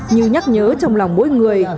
như nhắc nhớ trong lòng mỗi người